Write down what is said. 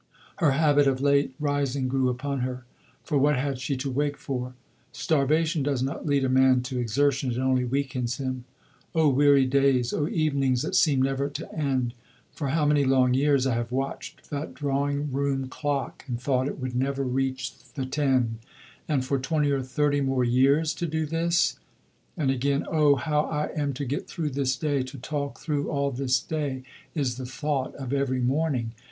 Her habit of late rising grew upon her; for what had she to wake for? "Starvation does not lead a man to exertion, it only weakens him. O weary days, O evenings that seem never to end! For how many long years, I have watched that drawing room clock and thought it would never reach the ten! And for 20 or 30 more years to do this!" And again, "Oh, how I am to get through this day, to talk through all this day, is the thought of every morning....